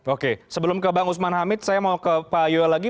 oke sebelum ke bang usman hamid saya mau ke pak yoyo lagi